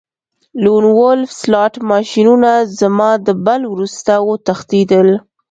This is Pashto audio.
لون وولف سلاټ ماشینونه زما د بل وروسته وتښتیدل